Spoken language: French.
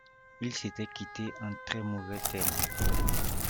Ils s'étaient quittés en très mauvais termes.